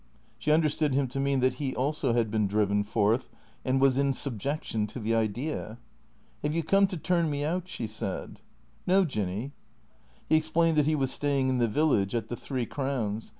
She understood him to mean that he also had been driven forth, and was in subjection to the Idea. " Have you come to turn me out ?" she said. " No, Jinny." He explained that he was staying in the village, at the Three Crowns.